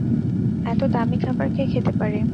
এত দামী খাবার কে খেতে পারে?